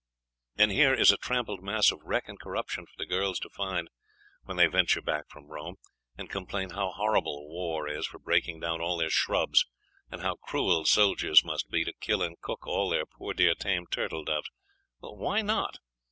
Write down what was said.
And here is a trampled mass of wreck and corruption for the girls to find, when they venture back from Rome, and complain how horrible war is for breaking down all their shrubs, and how cruel soldiers must be to kill and cook all their poor dear tame turtle doves! Why not?